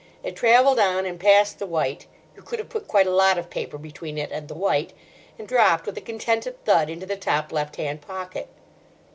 It travelled on and passed the white—you could have put quite a lot of paper between it and the white—and dropped with a contented thud into the top left hand pocket.